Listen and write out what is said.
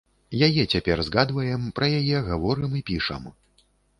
Яе цяпер згадваем, пра яе гаворым і пішам.